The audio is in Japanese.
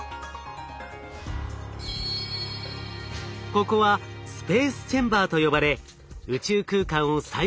ここはスペースチェンバーと呼ばれ宇宙空間を再現する施設。